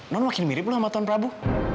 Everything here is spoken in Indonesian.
non makin mirip loh sama tuhan prabu